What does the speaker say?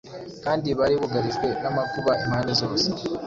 kandi bari bugarijwe n’amakuba impande zose.